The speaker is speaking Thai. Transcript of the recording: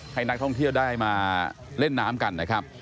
ให้นักท่องเที่ยวได้มาเล่นน้ำกันนะครับ